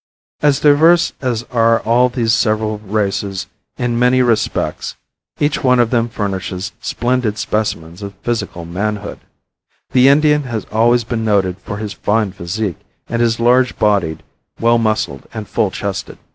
As diverse as are these several races in many respects, each one of them furnishes splendid specimens of physical manhood. The Indian has always been noted for his fine physique, and is large bodied, well muscled and full chested.